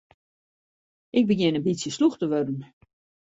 Ik begjin in bytsje slûch te wurden.